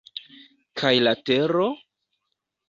Kaj la tero?